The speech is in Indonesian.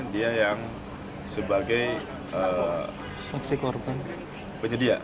dia yang sebagai penyedia